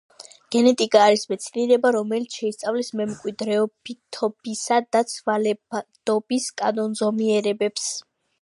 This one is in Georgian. გენეტიკა არის მეცნიერება, რომელიც შეისწავლის მემკვიდრეობითობისა და ცვალებადობის კანონზომიერებებს.